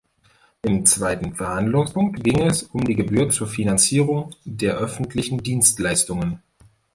Im zweiten Verhandlungspunkt ging es um die Gebühr zur Finanzierung der öffentlichen Dienstleistungen.